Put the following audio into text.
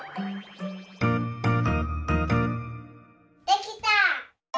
できた！